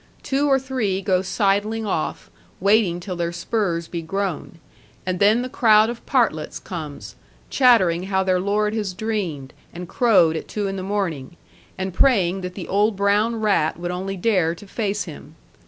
Two or three go sidling off, waiting till their spurs be grown; and then the crowd of partlets comes, chattering how their lord has dreamed, and crowed at two in the morning, and praying that the old brown rat would only dare to face him.